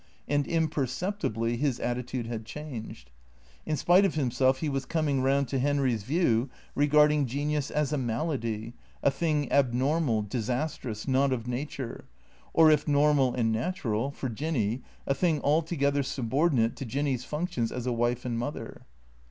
And imperceptibly his attitude had changed. In spite of himself he was coming round to Henry's view, regarding genius as a malady, a thing abnormal, disas trous, not of nature; or if normal and natural — for Jinny — a thing altogether subordinate to Jinny's functions as a wife and mother.